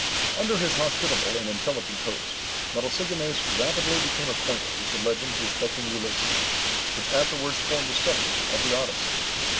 Under his hospitable and intelligent host, Melesigenes rapidly became acquainted with the legends respecting Ulysses, which afterwards formed the subject of the Odyssey.